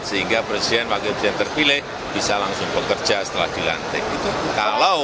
sehingga presiden wakil presiden terpilih bisa langsung bekerja setelah dilantik